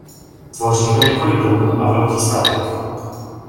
Tvoří ho několik domů a velký statek.